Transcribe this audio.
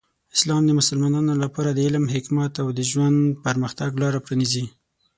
اسلام د مسلمانانو لپاره د علم، حکمت، او د ژوند پرمختګ لاره پرانیزي.